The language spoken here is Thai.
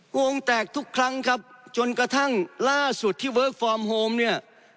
วงแตกทุกครั้งครับจนกระทั่งล่าสุดที่เวิร์คฟอร์มโฮมเนี่ย